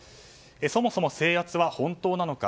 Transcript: そもそも制圧は本当なのか。